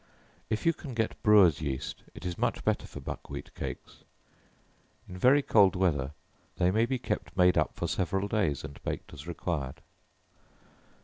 If you can get brewers' yeast, it is much better for buckwheat cakes. In very cold weather, they may be kept made up for several days, and baked as required.